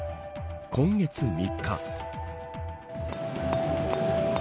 今月３日。